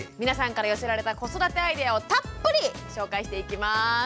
皆さんから寄せられた子育てアイデアをたっぷり紹介していきます。